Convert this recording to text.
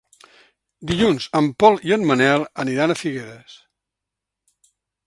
Dilluns en Pol i en Manel aniran a Figueres.